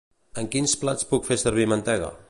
En quins plats puc fer servir mantega?